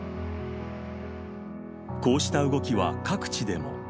こうした動きは各地でも。